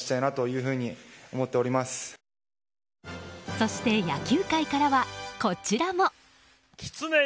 そして野球界からはこちらも。